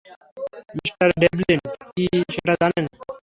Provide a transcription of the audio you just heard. Mr Devlin কি সেটা জানেন?